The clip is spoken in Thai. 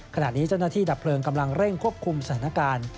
ขณะนี้เจ้าหน้าที่ดับเพลิงกำลังเร่งควบคุมสถานการณ์